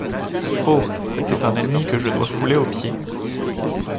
Oh ! c’est un ennemi que je dois fouler aux pieds.